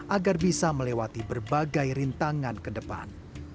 agar bisa melewati berbagai rintangan ke depan